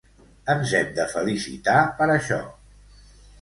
Ens hem de felicitar per això.